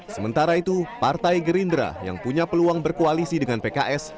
sementara itu partai gerindra yang punya peluang berkoalisi dengan pks